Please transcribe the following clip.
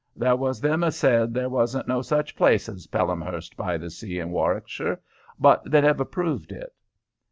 There was them as said there wasn't no such place as Pelhamhurst by the Sea in Warwickshire, but they never proved it."